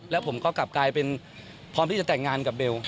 แล้วผมก็กลับกลายเป็นพร้อมที่จะแต่งงานกับเบล